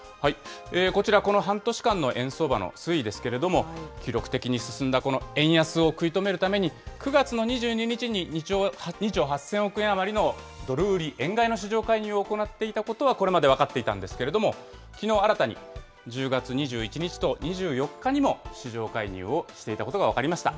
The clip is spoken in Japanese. こちら、この半年間の円相場の推移ですけれども、記録的に進んだ、この円安を食い止めるために、９月の２２日に２兆８０００億円余りのドル売り円買いの市場介入を行っていたことはこれまで分かっていたんですけれども、きのう新たに、１０月２１日と２４日にも市場介入をしていたことが分かりました。